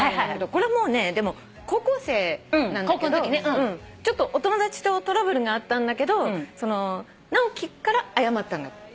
これもうねでも高校生なんだけどちょっとお友達とトラブルがあったんだけど直樹から謝ったんだ。